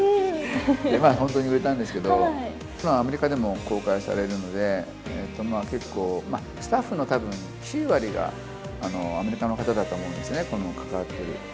まあ本当に売れたんですけど、アメリカでも公開されるので、結構、スタッフのたぶん９割が、アメリカの方だと思うんですね、これに関わってる。